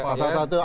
pasal satu apa itu